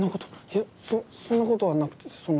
えっそんなことはなくてその。